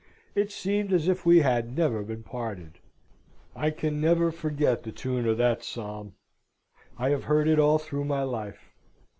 It seemed as if we had never been parted. I can never forget the tune of that psalm. I have heard it all through my life.